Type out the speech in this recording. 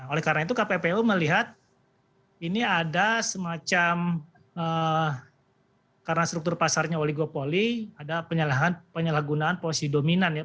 oleh karena itu kppu melihat ini ada semacam karena struktur pasarnya oligopoli ada penyalahgunaan posisi dominan ya